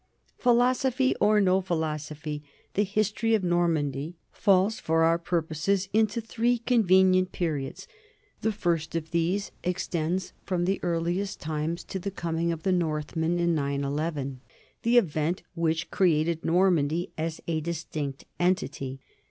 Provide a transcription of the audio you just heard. Philosophy or no philosophy, the history of Nor mandy falls for our purposes into three convenient periods. The first of these extends from the earliest times to the coming of the Northmen in 911, the event which created Normandy as a distinct entity.